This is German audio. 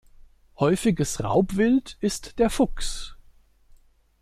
Häufiges Raubwild ist der Fuchs.